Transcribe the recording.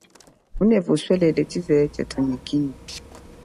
Ngunevu uswelele chize cha tumikine.